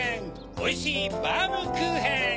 おいしいバームクーヘン！